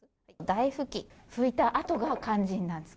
台拭き拭いたあとが肝心なんです。